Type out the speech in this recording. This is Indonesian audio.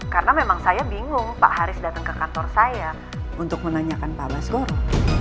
karena memang saya bingung pak haris datang ke kantor saya untuk menanyakan pak baskoro